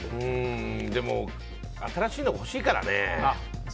でも新しいの欲しいからね。